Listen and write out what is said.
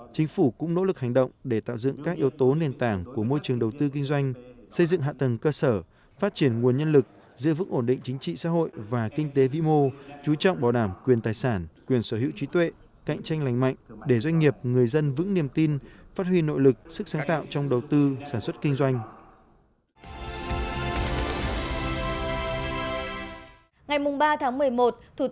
chính phủ cũng nỗ lực hành động để tạo dựng các yếu tố nền tảng của môi trường đầu tư kinh doanh xây dựng hạ tầng cơ sở phát triển nguồn nhân lực giữ vững ổn định chính trị xã hội và kinh tế vĩ mô chú trọng bảo đảm quyền tài sản quyền sở hữu trí tuệ cạnh tranh lành mạnh để doanh nghiệp người dân vững niềm tin phát huy nội lực sức sáng tạo trong đầu tư sản xuất kinh doanh